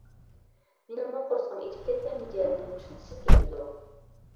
مېنىڭمۇ قورسىقىم ئېچىپ كەتسە مىجەزىم چۇسلىشىپ كېتىدۇ.